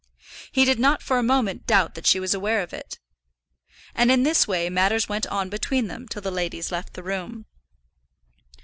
He did not for a moment doubt that she was aware of it. And in this way matters went on between them till the ladies left the room.